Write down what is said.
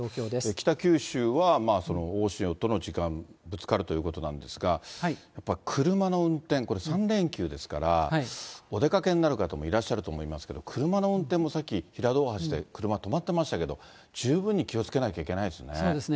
北九州は大潮との時間ぶつかるということなんですが、やっぱり車の運転、これ、３連休ですから、お出かけになる方もいらっしゃると思いますけど、車の運転もさっき平戸大橋で車止まってましたけど、十分に気をつけないといけないですね。